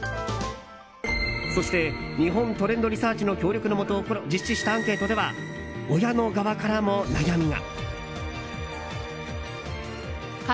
そして、日本トレンドリサーチの協力のもと実施したアンケートでは親の側からも悩みが。